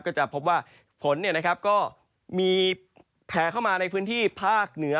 ก็จะพบว่าฝนก็มีแผลเข้ามาในพื้นที่ภาคเหนือ